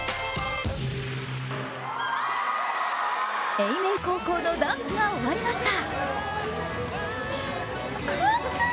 叡明高校のダンスが終わりました。